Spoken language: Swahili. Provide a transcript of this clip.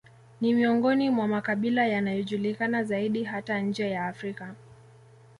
Ni miongoni mwa makabila yanayojulikana zaidi hata nje ya Afrika